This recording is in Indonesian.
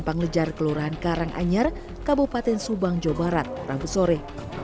panglejar kelurahan karanganyar kabupaten subang jawa barat rabu sore